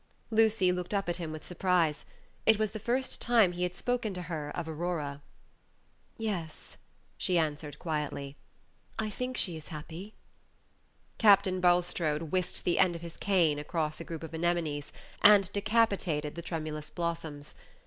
Lucy looked up at him with surprise. It was the first time he had spoken to her of Aurora. "Yes," she answered quietly, "I think she is happy." Captain Bulstrode whisked the end of his cane across a group of anemones, and decapitated the tremulous blossoms.